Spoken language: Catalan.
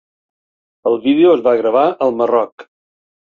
El vídeo es va gravar al Marroc.